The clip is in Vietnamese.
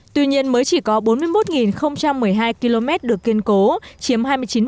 tuy nhiên mới chỉ có bốn mươi một một mươi hai km được kiên cố chiếm hai mươi chín